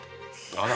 あら。